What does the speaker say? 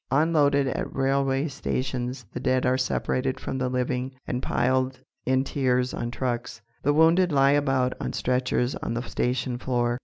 Unloaded at railway stations, the dead are separated from the living and piled in tiers on trucks. The wounded lie about on stretchers on the station floor.